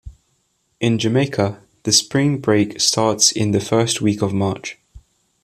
In Jamaica, the spring break starts in the first week of March.